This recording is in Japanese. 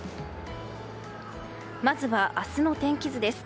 まずは明日の天気図です。